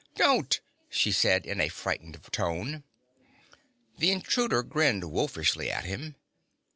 "Don't!" she said in a frightened tone. The intruder grinned wolfishly at him.